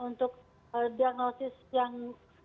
untuk diagnosis yang